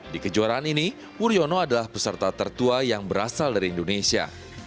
di kejuaraan ini wuryono adalah peserta tertua yang berasal dari indonesia